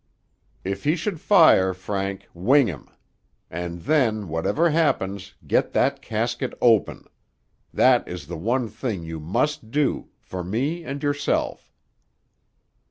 "If he should fire, Frank, wing him. And then, whatever happens, get that casket open. That is the one thing you must do—for me and yourself."